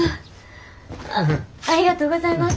ありがとうございます。